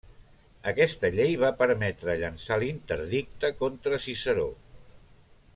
Aquesta llei va permetre llançar l'interdicte contra Ciceró.